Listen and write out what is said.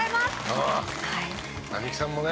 ああ並木さんもね。